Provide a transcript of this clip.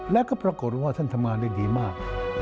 แล้วก็ปรากฏว่าท่านทำงานได้ดีมาก